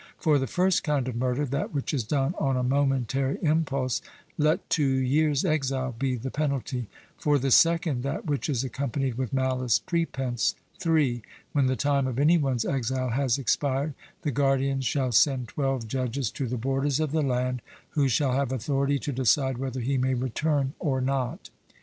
For the first kind of murder, that which is done on a momentary impulse, let two years' exile be the penalty; for the second, that which is accompanied with malice prepense, three. When the time of any one's exile has expired, the guardians shall send twelve judges to the borders of the land, who shall have authority to decide whether he may return or not.